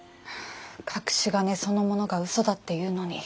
隠し金そのものが嘘だっていうのに。